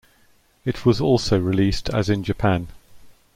It was also released as in Japan.